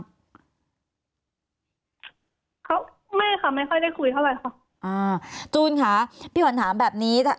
เขาไม่ค่ะไม่ค่อยได้คุยเท่าไหร่ค่ะอ่าจูนค่ะพี่ขวัญถามแบบนี้